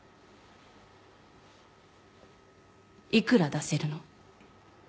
いくら出せるの？